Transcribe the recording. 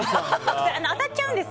当たっちゃうんです。